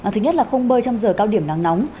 thứ nhất là không bơi trong giờ cao điểm nắng nóng